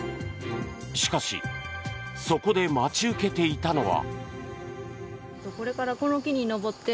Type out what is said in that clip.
しかし、そこで待ち受けていたのは。